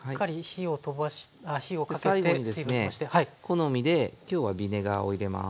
好みで今日はビネガーを入れます。